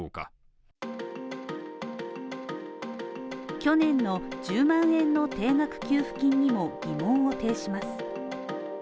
去年の１０万円の定額給付金にも疑問を呈します。